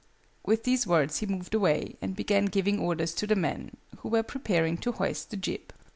With these words he moved away, and began giving orders to the men, who were preparing to hoist the jib.